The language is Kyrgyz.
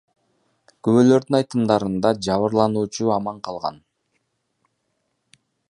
Күбөлөрдүн айтымдарында, жабырлануучу аман калган.